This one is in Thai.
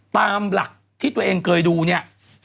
ตามหลักที่ตัวเองเคยดูเนี่ย